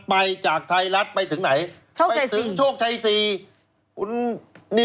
ไปจากไทยรัฐไปถึงไหนไปถึงชวกชัย๓